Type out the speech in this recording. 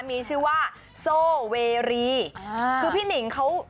มีชื่อว่าโซเวลีคือพี่นิงเขา